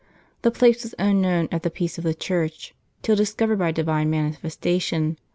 The place was unknown at the peace of the Church, till discovered by Divine manifestation.